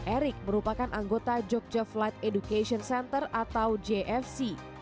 erick merupakan anggota jogja flight education center atau jfc